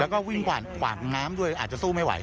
แล้วก็วิ่งกวาดน้ำด้วยอาจจะสู้ไม่ไหว